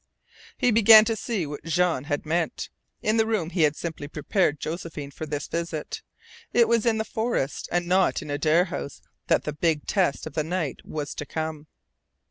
He began to see what Jean had meant. In the room he had simply prepared Josephine for this visit. It was in the forest and not in Adare House, that the big test of the night was to come.